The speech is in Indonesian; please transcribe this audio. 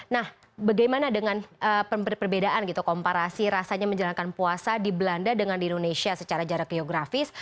nah bagaimana dengan perbedaan gitu komparasi rasanya menjalankan puasa di belanda dengan di indonesia secara jarak geografis